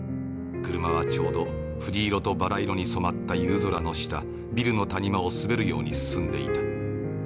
車はちょうど藤色とバラ色に染まった夕空の下ビルの谷間を滑るように進んでいた。